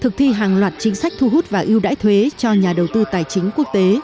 thực thi hàng loạt chính sách thu hút và ưu đãi thuế cho nhà đầu tư tài chính quốc tế